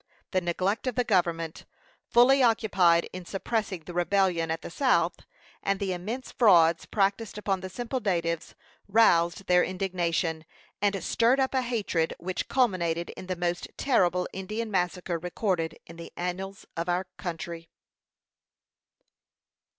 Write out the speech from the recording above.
The neglect of the government, fully occupied in suppressing the rebellion at the South, and the immense frauds practised upon the simple natives, roused their indignation, and stirred up a hatred which culminated in the most terrible Indian massacre recorded in the annals of our country.